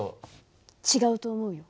違うと思うよ。